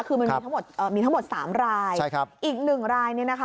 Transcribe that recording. คือมันมีทั้งหมด๓รายอีกหนึ่งรายนี้นะคะ